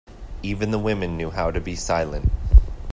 Even the women knew how to be silent.